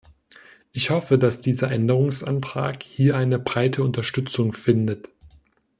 Ich hoffe, dass dieser Änderungsantrag hier eine breite Unterstützung findet.